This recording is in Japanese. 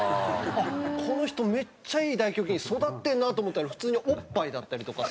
この人めっちゃいい大胸筋育ってるなと思ったら普通におっぱいだったりとかする事ありまして。